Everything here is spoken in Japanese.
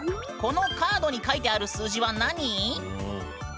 このカードに書いてある数字は何？